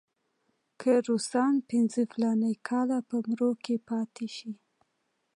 که روسان پنځه فلاني کاله په مرو کې پاتې شي.